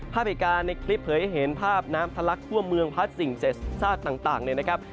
ภาพเหตุการณ์ในคลิปเผยเห็นภาพน้ำทะลักษณ์ทั่วเมืองพัดสิ่งเศษซาดต่างนะครับ